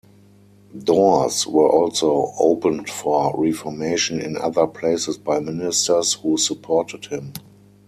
Doors were also opened for reformation in other places by ministers who supported him.